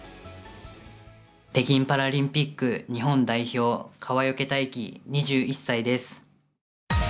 北京パラリンピック日本代表、川除大輝、２１歳です。